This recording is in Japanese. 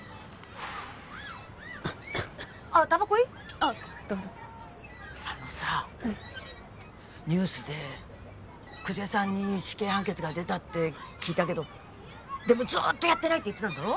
あっどうぞあのさニュースで久世さんに死刑判決が出たって聞いたけどでもずっとやってないって言ってたんだろ？